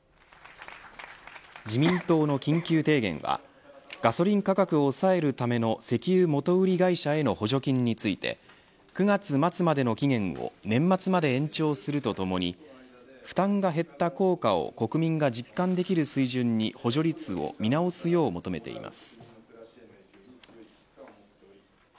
自民党の緊急提言はガソリン価格を抑えるための石油元売り会社への補助金について９月末までの期限を年末まで延長するとともに負担が減った効果を国民が実感できる水準に補助率を見直すよう求めています。